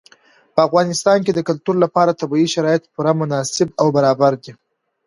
په افغانستان کې د کلتور لپاره طبیعي شرایط پوره مناسب او برابر دي.